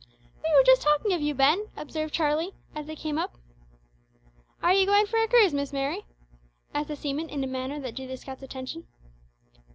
"We were just talking of you, Ben," observed Charlie, as they came up. "Are you goin' for a cruise, Miss Mary?" asked the seaman in a manner that drew the scout's attention.